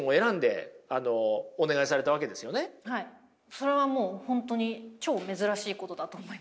それはもう本当に超珍しいことだと思います。